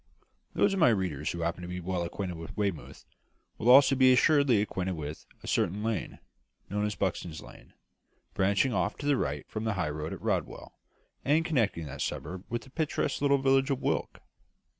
Those of my readers who happen to be well acquainted with Weymouth, will also be assuredly acquainted with a certain lane, known as Buxton's Lane, branching off to the right from the high road at Rodwell, and connecting that suburb with the picturesque little village of Wyke.